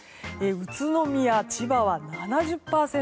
宇都宮、千葉は７０％。